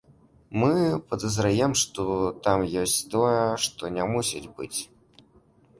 Мы падазраем, што там ёсць тое, што не мусіць быць.